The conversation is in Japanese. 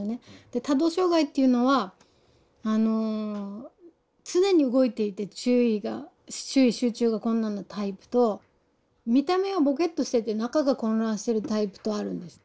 で多動障害っていうのは常に動いていて注意集中が困難なタイプと見た目はぼけっとしてて中が混乱してるタイプとあるんです。